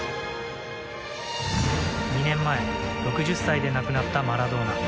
２年前、６０歳で亡くなったマラドーナ。